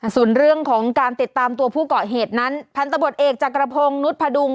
ส่วนเรื่องของการติดตามตัวผู้เกาะเหตุนั้นพันธบทเอกจักรพงศ์นุษย์พดุง